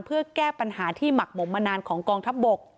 เพื่อแก้ปัญหาที่หมักหมมมานานของกองทัพบก